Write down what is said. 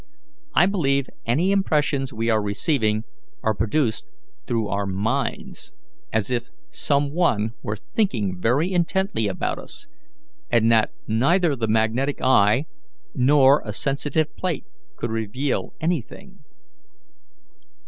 I believe any impressions we are receiving are produced through our minds, as if some one were thinking very intently about us, and that neither the magnetic eye nor a sensitive plate could reveal anything."